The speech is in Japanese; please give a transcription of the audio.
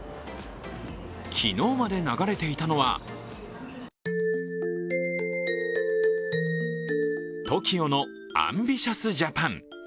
昨日まで流れていたのはＴＯＫＩＯの「ＡＭＢＩＴＩＯＵＳＪＡＰＡＮ」。